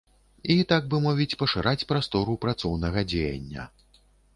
І, так бы мовіць, пашыраць прастору працоўнага дзеяння.